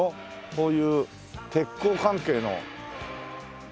こういう鉄工関係のねえ。